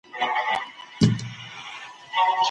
ایا ته غواړې چي په اخیرت کي د هیلې ثمره وګورې؟